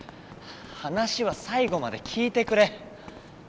話は最後まで聞いてくれ。